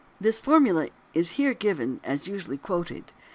This formula is here given as usually quoted.